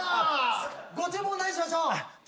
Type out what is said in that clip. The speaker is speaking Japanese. ご注文何にしましょう？